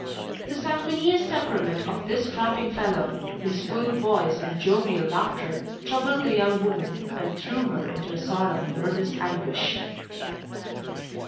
The sanguineous temperament of this strapping fellow, his full voice and jovial laughter, troubled the young woman and threw her into a sort of nervous anguish.